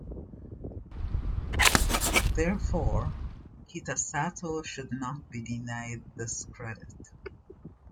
Therefore, Kitasato "should not be denied this credit".